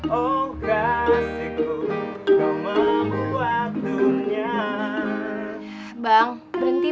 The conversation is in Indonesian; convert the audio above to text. oh kasihku kau membuat dunia